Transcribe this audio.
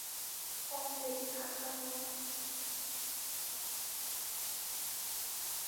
ওহ, please ঠাট্টা করো না।